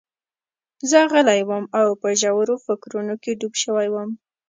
زه غلی وم او په ژورو فکرونو کې ډوب شوی وم